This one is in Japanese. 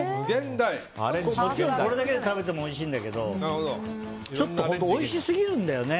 もちろんこれだけで食べてもおいしいんだけどちょっと本当おいしすぎるんだよね。